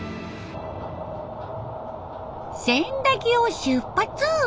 千駄木を出発！